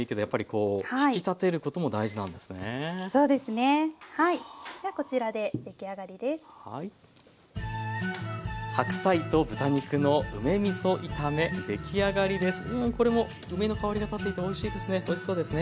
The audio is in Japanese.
うんこれも梅の香りが立っていておいしそうですね。